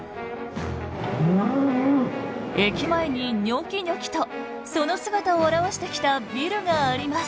駅前にニョキニョキとその姿を現してきたビルがあります。